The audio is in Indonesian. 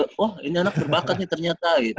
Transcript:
wah ini anak berbakat nih ternyata gitu